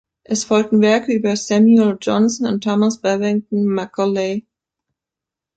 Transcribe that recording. Es folgten Werke über Samuel Johnson und Thomas Babington Macaulay.